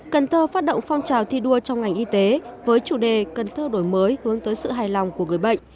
cần thơ phát động phong trào thi đua trong ngành y tế với chủ đề cần thơ đổi mới hướng tới sự hài lòng của người bệnh